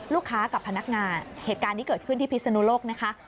กับพนักงานเหตุการณ์นี้เกิดขึ้นที่พิศนุโลกนะคะ